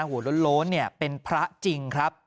หัวโล้นเป็นพระจริงครับ